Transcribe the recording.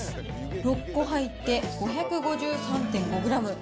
６個入って５５３．５グラム。